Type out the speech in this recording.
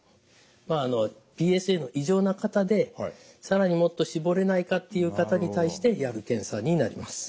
ＰＳＡの異常な方で更にもっと絞れないかっていう方に対してやる検査になります。